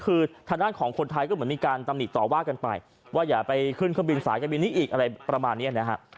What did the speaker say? ซึ่งเหมือนมีการตำหนิต่อว่ากันไปว่าอย่าไปขึ้นเครื่องบินสายเครื่องบินนี้อีกอะไรประมาณนี้นะฮะ